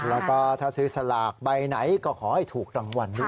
แล้วก็ถ้าซื้อสลากใบไหนก็ขอให้ถูกรางวัลด้วย